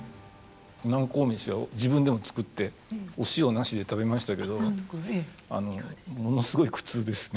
楠公飯は自分でも作ってお塩なしで食べましたけどあのものすごい苦痛です。